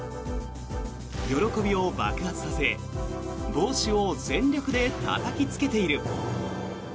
喜びを爆発させ帽子を全力でたたきつけている。